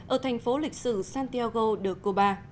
ở thành phố lịch sử santiago de cuba